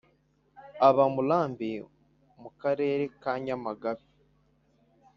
Aba Murambi mu Karere ka Nyamagabe.